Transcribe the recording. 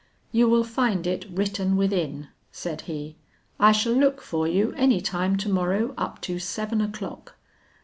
'You will find it written within,' said he 'I shall look for you any time to morrow, up to seven o'clock.